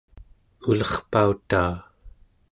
ulerpautaa